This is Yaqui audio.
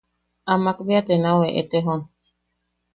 Amak bea te nau eʼetejon.